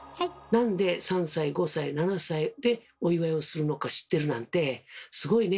なんで３歳５歳７歳でお祝いをするのか知ってるなんてすごいね！